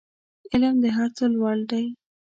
علم د هر څه لوړ دی